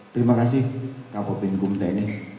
terima kasih kapol bint kumput tni